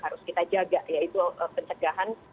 harus kita jaga yaitu pencegahan